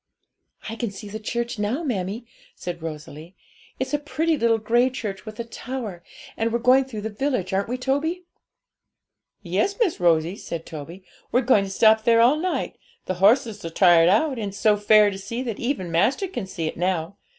'I can see the church now, mammie,' said Rosalie; 'it's a pretty little grey church with a tower, and we're going through the village; aren't we, Toby?' 'Yes, Miss Rosie,' said Toby; 'we're going to stop there all night; the horses are tired out, and it's so fair to see, that even master can see it now.